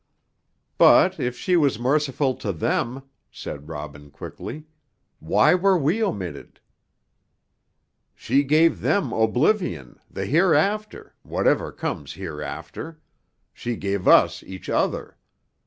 "But if she was merciful to them," said Robin, quickly, "why were we omitted?" "She gave them oblivion, the hereafter, whatever comes hereafter. She gave us each other.